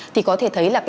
thì có thể thấy là